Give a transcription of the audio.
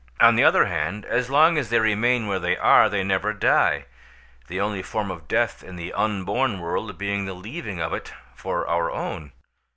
On the other hand, as long as they remain where they are they never die—the only form of death in the unborn world being the leaving it for our own.